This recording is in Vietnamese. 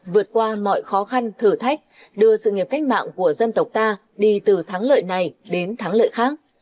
vượt qua mọi khó khăn thử thách đưa sự nghiệp cách mạng của dân tộc ta đi từ thắng lợi này đến thắng lợi khác